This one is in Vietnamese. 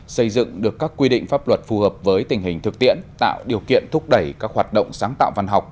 xây dựng được các quy định pháp luật phù hợp với tình hình thực tiễn tạo điều kiện thúc đẩy các hoạt động sáng tạo văn học